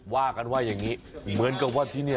ว่ากันว่าอย่างนี้เหมือนกับว่าที่นี่